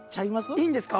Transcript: いいんですか？